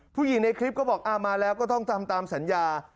ผู้หญิงในคลิปก็บอกมาแล้วก็ต้องทำตามสัญญา